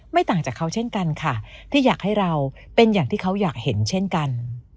ต่างจากเขาเช่นกันค่ะที่อยากให้เราเป็นอย่างที่เขาอยากเห็นเช่นกัน